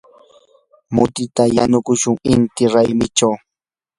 mutita yanukushun inti raymichaw.